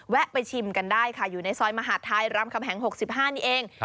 ไปชิมกันได้ค่ะอยู่ในซอยมหาดไทยรามคำแหง๖๕นี่เอง